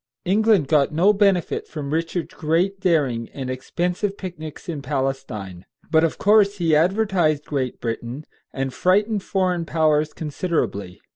England got no benefit from Richard's great daring and expensive picnics in Palestine; but of course he advertised Great Britain, and frightened foreign powers considerably.